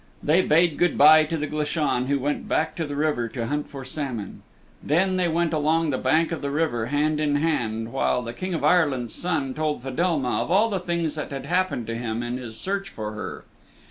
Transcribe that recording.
They bade good by to the Glashan, who went back to the river to hunt for salmon. Then they went along the bank of the river hand in hand while the King of Ireland's Son told Fedelma of all the things that had happened to him in his search for her.